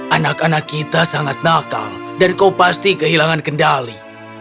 anak anak kita sangat nakal dan kau pasti kehilangan kendali